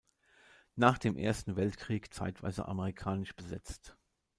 Nach dem Ersten Weltkrieg zeitweise amerikanisch besetzt.